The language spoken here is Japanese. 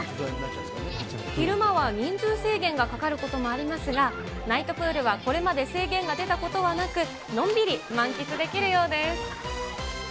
昼間は人数制限がかかることもありますが、ナイトプールはこれまで制限が出たことはなく、のんびり満喫できるようです。